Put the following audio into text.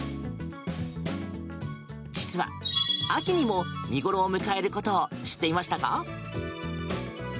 実は秋にも見頃を迎えることを知っていましたか？